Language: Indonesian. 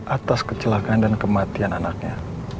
atas kecelakaan dan kematian anaknya